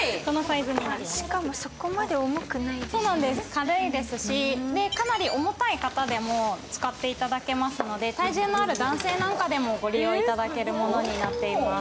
軽いですし、かなり重たい方でも使っていただけますので、体重のある男性なんかでもご利用いただけるものになっています。